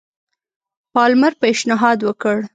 پالمر پېشنهاد وکړ.